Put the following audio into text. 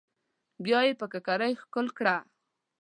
بيا يې پر ککرۍ ښکل کړه.